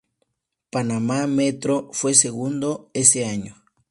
Panamá Metro, fue segundo, ese año.